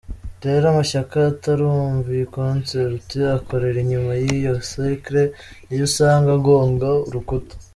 Rero amashyaka atarumva iyi concept akorera inyuma y’iyo cercle niyo usanga agonga urukuta.